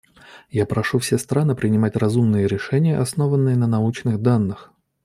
Я прошу все страны принимать разумные решения, основанные на научных данных.